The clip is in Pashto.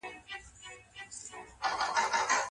آيا د غوسې پر مهال چوپتيا غوره ده؟